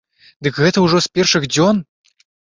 Дык гэта ўжо з першых дзён?!